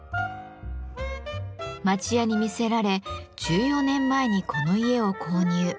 町家に魅せられ１４年前にこの家を購入。